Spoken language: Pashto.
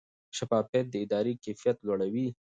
شفافیت د ادارې کیفیت لوړوي.